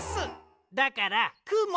だからくも！